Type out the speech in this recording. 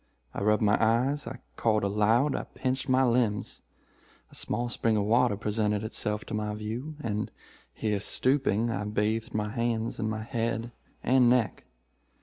I rubbed my eyes. I called aloud. I pinched my limbs. A small spring of water presented itself to my view, and here, stooping, I bathed my hands and my head and neck.